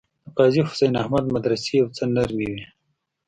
د قاضي حسین احمد مدرسې یو څه نرمې وې.